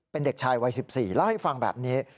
เป็นเด็กชายวัย๑๔เล่าให้ฟังแบบนี้